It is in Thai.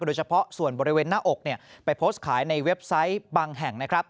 โดยเฉพาะส่วนบริเวณหน้าอกไปโพสต์ขายในเว็บไซต์บางแห่งนะครับ